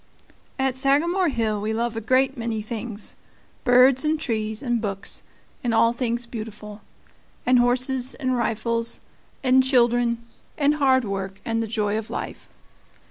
At Sagamore Hill we love a great many things birds and trees and books, and all things beautiful, and horses and rifles and children and hard work and the joy of life.